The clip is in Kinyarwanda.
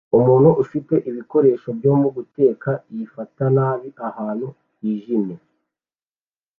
Umuntu ufite ibikoresho byo guteka yifata nabi ahantu hijimye